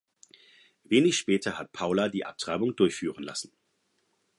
Wenig später hat Paula die Abtreibung durchführen lassen.